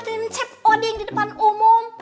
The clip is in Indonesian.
pakai ngomel ngomel cep oding di depan umum